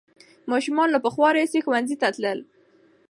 ماشومان له پخوا راهیسې ښوونځي ته تلل.